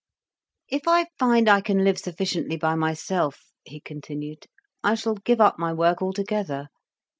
"If I find I can live sufficiently by myself," he continued, "I shall give up my work altogether.